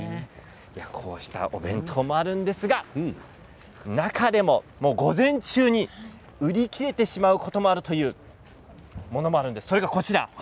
こうしたお弁当もあるんですが中でも午前中に売り切れてしまうこともあるというものもあるんです。